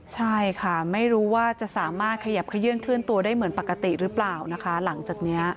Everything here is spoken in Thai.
ใช่ค่ะไม่รู้ว่าจะสามารถขยับขยื่นเคลื่อนตัวได้เหมือนปกติหรือเปล่านะคะหลังจากเนี้ย